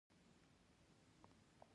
نور ګوندونه د اقتصادي هوساینې لپاره اړین دي